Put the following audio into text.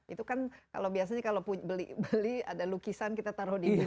itu kan kalau biasanya kalau beli ada lukisan kita taruh di